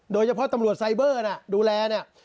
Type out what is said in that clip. โดยเฉพาะตำรวจไซเบอร์นะดูแลเนี่ย